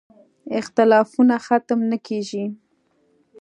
اختلافونه ختم نه کېږي.